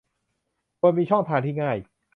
ควรมีช่องทางที่ง่าย